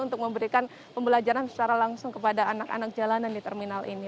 untuk memberikan pembelajaran secara langsung kepada anak anak jalanan di terminal ini